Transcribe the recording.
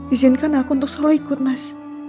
izinkan aku untuk selalu ikut mas